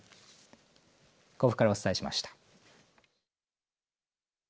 甲府からお伝えしました。